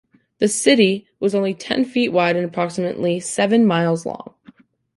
The "city" was only ten feet wide and approximately seven miles long.